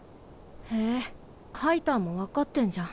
へぇハイターも分かってんじゃん。